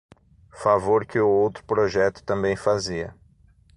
Favor que o outro projeto também fazia.